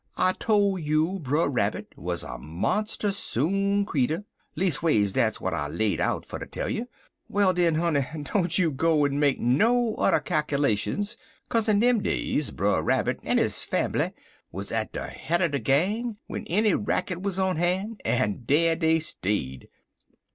I tole you Brer Rabbit wuz a monstus soon creetur; leas'ways dat's w'at I laid out fer ter tell you. Well, den, honey, don't you go en make no udder calkalashuns, kaze in dem days Brer Rabbit en his fambly wuz at de head er de gang w'en enny racket wuz on han', en dar dey stayed.